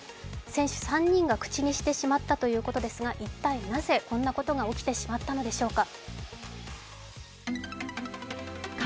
選手３人が口にしてしまったということですが、一体なぜ、こんなことが起きてしまったのでしょうか。